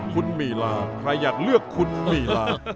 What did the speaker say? คุณหมี่ลาใครอยากเลือกคุณหมี่ลา